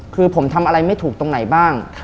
คือผมทำอะไรไม่ถูกตรงไหนบ้าง